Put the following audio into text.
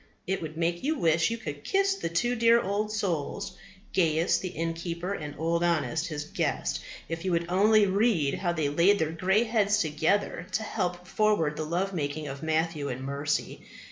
It would make you wish you could kiss the two dear old souls, Gaius the innkeeper and Old Honest his guest, if you would only read how they laid their grey heads together to help forward the love making of Matthew and Mercy.